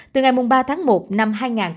từ ngày ba tháng một năm hai nghìn hai mươi